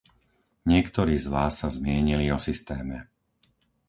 Niektorí z vás sa zmienili o systéme.